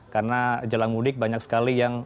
karena jalan mudik banyak sekali yang